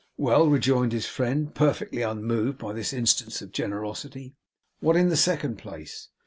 'Well,' rejoined his friend, perfectly unmoved by this instance of generosity. 'What in the second place?